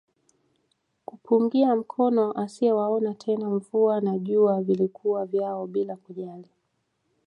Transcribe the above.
Kumpungia mkono asiyewaona tena mvua na jua vilikuwa vyao bila kujali